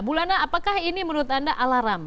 bu lana apakah ini menurut anda alarm